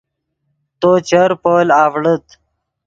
تو چر پول آڤڑیت